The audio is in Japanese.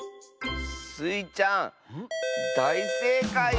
スイちゃんだいせいかい！